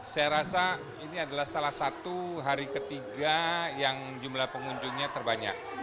saya rasa ini adalah salah satu hari ketiga yang jumlah pengunjungnya terbanyak